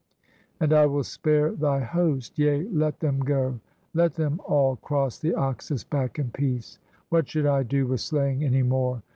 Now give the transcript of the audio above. And I will spare thy host; yea, let them go: Let them all cross the Oxus back in peace. What should I do with slaying any more?